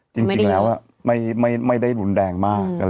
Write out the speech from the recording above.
จริงแล้วไม่ได้รุนแรงมาก